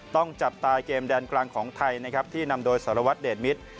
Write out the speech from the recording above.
ต้องจับตาเกมแดนกลางของไทยนะครับที่นำโดยสารวัตรเดชมิตร